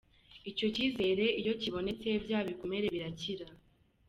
Icyo cyizere iyo kibonetse bya bikomere birakira.